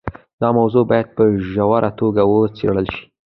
دا موضوع باید په ژوره توګه وڅېړل شي.